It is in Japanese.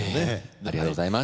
ありがとうございます。